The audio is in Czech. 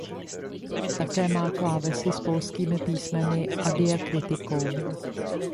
Také má klávesy s polskými písmeny s diakritikou.